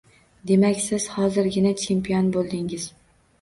Demak siz hozirgina chempion bo’ldingiz!